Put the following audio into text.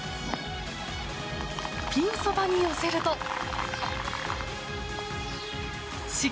ピンそばに寄せると。